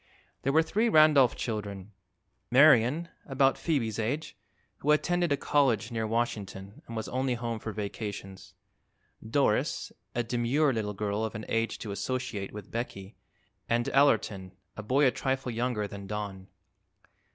There were three Randolph children: Marion, about Phoebe's age, who attended a college near Washington and was only home for vacations; Doris, a demure little girl of an age to associate with Becky, and Allerton, a boy a trifle younger than Don.